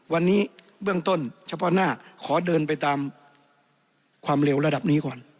วันนี้เบื้องต้นเฉพาะหน้าขอเดินไปตามความเร็วระดับนี้ก่อน